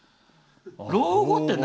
老後って何？